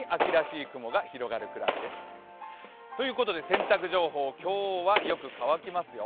洗濯情報、今日はよく乾きます。